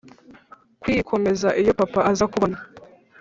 kwikomeza Iyo papa aza kubona